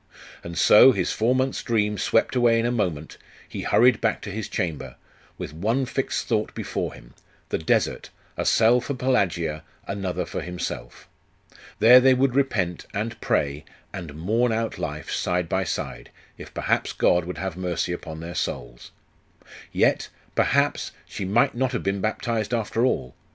And so, his four months' dream swept away in a moment, he hurried back to his chamber, with one fixed thought before him the desert; a cell for Pelagia; another for himself. There they would repent, and pray, and mourn out life side by side, if perhaps God would have mercy upon their souls. Yet perhaps, she might not have been baptized after all.